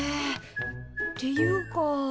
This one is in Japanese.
っていうか。